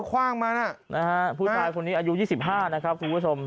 คว่างมานะฮะผู้ชายคนนี้อายุ๒๕นะครับคุณผู้ชม